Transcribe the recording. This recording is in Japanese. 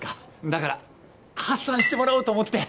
だから発散してもらおうと思って。